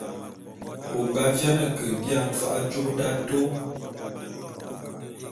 O nga biane ke bia mfa'a jôp d'atôô.